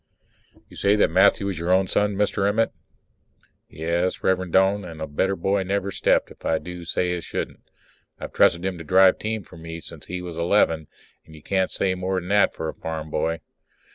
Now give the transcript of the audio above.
You say that Matthew is your own son, Mr. Emmett? Yes, Rev'rend Doane, and a better boy never stepped, if I do say it as shouldn't. I've trusted him to drive team for me since he was eleven, and you can't say more than that for a farm boy.